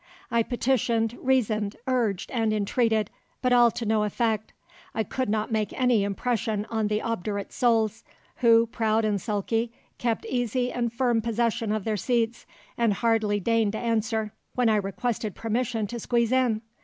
I petitioned, reasoned, urged and entreated, but all to no effect. I could not make any impression on the obdurate souls, who, proud and sulky, kept easy and firm possession of their seats, and hardly deigned to answer, when I requested permission to squeeze in.